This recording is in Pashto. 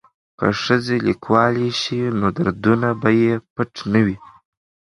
که ښځې لیکوالې شي نو دردونه به یې پټ نه وي.